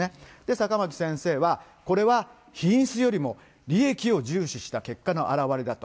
坂巻先生は、これは品質よりも利益を重視した結果の表れだと。